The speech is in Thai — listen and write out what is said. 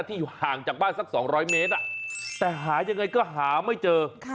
อยู่ห่างจากบ้านสัก๒๐๐เมตรแต่หายังไงก็หาไม่เจอ